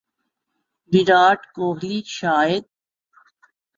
Virat Kohli Shahid